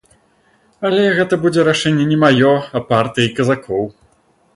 Але гэта будзе рашэнне не маё, а партыі і казакоў.